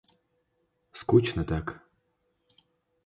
Скучно так